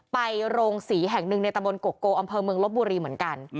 โรงศรีแห่งหนึ่งในตะบนโกโกอำเภอเมืองลบบุรีเหมือนกัน